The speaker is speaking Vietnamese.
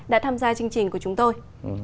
đã tham gia chương trình của chúng tôi